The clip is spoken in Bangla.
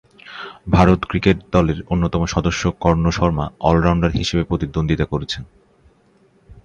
ভারত ক্রিকেট দলের অন্যতম সদস্য কর্ণ শর্মা অল-রাউন্ডার হিসেবে প্রতিদ্বন্দ্বিতা করছেন।